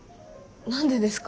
何でですか？